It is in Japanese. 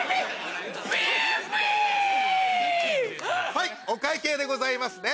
はいお会計でございますね。